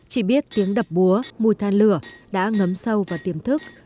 chỉ biết tiếng đập búa mùi than lửa đã ngấm sâu và tiềm thức